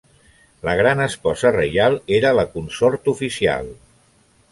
La Gran Esposa Reial era la consort oficial.